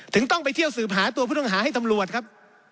ต้องไปเที่ยวสืบหาตัวผู้ต้องหาให้ตำรวจครับ